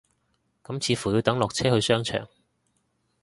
咁似乎要等落車去商場